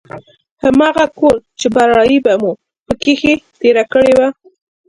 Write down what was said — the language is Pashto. هماغه کور چې برايي به مو په کښې تېره کړې وه.